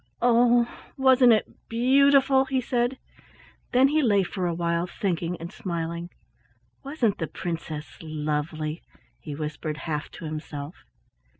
"Oh! Wasn't it beautiful?" he said. Then he lay for a while thinking and smiling. "Wasn't the princess lovely?" he whispered half to himself.